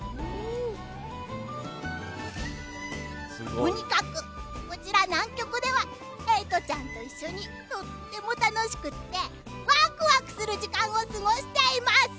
とにかく、こちら南極ではエイトちゃんと一緒にとっても楽しくてわくわくする時間を過ごしています。